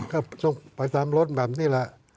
ก็ต้องไปตามรถแบบนี้แหละ